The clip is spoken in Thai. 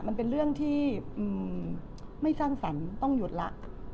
มันเป็นเรื่องที่ไม่สร้างสรรค์ต้องหยุดละ